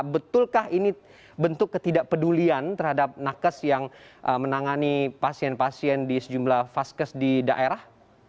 betulkah ini bentuk ketidakpedulian terhadap nakes yang menangani pasien pasien di sejumlah vaskes di daerah